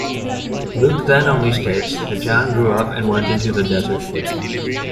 Luke then only states that John grew up and went into the desert.